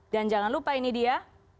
dan jangan lupa ini dia